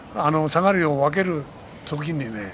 下がりを分ける時にね。